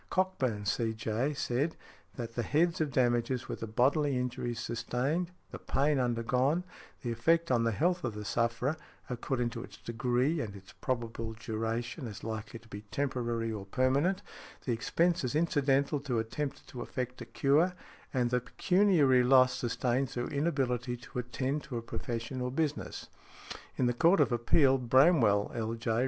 Cockburn, C.J., said, that the heads of damages were the bodily injuries sustained, the pain undergone, the effect on the health of the sufferer, according to its degree and its probable duration as likely to be temporary or permanent, the expenses incidental to attempts to effect a cure, and the pecuniary loss sustained through inability to attend to a profession or business . In the Court of Appeal, Bramwell, L.J.